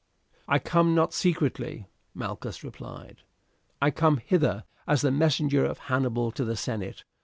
"I come not secretly," Malchus replied, "I come hither as the messenger of Hannibal to the senate.